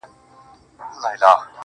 او که ښکنځل کوئ